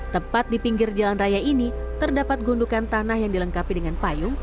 tepat di pinggir jalan raya ini terdapat gundukan tanah yang dilengkapi dengan payung